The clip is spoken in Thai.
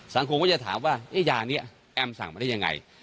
สังคมก็จะถามว่ายานี้แอมสั่งมาได้ยังไง